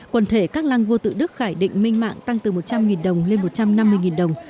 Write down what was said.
quần thể các lăng vua tự đức khải định minh mạng tăng từ một trăm linh đồng lên một trăm năm mươi đồng